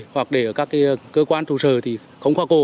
hoặc để các cơ quan trụ sở không khoa cổ